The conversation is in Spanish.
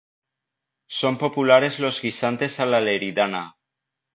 Son populares los guisantes a la leridana.